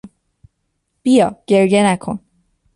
بیا، گریه نکن!